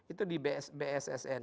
itu di bssn